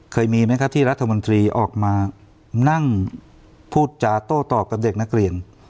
เคยมีไหมครับที่รัฐมนตรีออกมานั่งพูดจาโต้ตอบกับเด็กนักเรียน